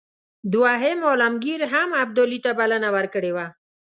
دوهم عالمګیر هم ابدالي ته بلنه ورکړې وه.